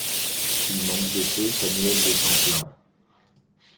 Il manque de peu Samuel de Champlain.